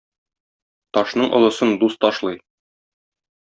Ташның олысын дус ташлый.